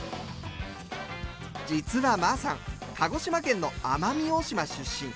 実はまぁさんは鹿児島県の奄美大島出身。